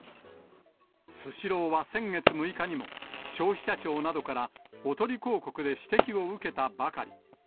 スシローは先月６日にも、消費者庁などからおとり広告で指摘を受けたばかり。